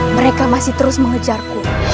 mereka masih terus mengejarku